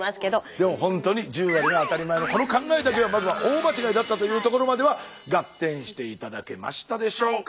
でもほんとに１０割が当たり前のこの考えだけはまずは大間違いだったというところまではガッテンして頂けましたでしょうか？